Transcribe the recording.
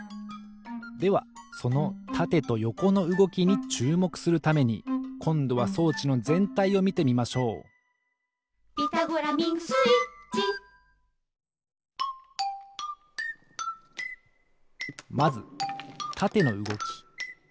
ではそのたてとよこのうごきにちゅうもくするためにこんどは装置のぜんたいをみてみましょう「ピタゴラミングスイッチ」まずたてのうごき。